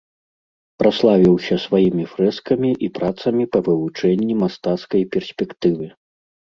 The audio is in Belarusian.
Праславіўся сваімі фрэскамі і працамі па вывучэнні мастацкай перспектывы.